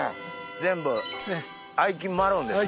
全部愛樹マロンですね？